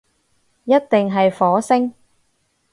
一定係火星